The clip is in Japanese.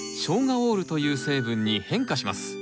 オールという成分に変化します。